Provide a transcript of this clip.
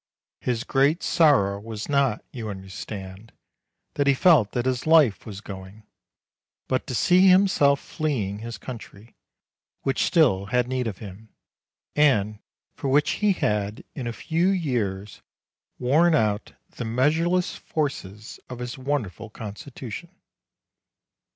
His great sorrow was not, you understand, that he felt that his life was going, but to see himself fleeing his country, which still had need of him, and for which he had, in a few years, worn out the measureless forces of his won derful constitution.